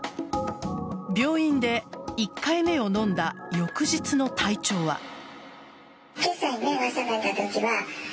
病院で１回目を飲んだ翌日の体調は。